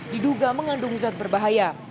diduga mengandung zat berbahaya